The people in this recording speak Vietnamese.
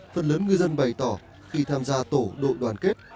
phần lớn ngư dân bày tỏ khi tham gia tổ đội đoàn kết